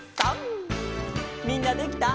みんなできた？